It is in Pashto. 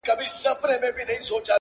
زۀ د مئين زړۀ د رضا نه بغېر نۀ پايمه